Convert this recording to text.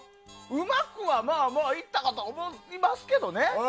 うまくは、まあまあいったかと思いますけどね。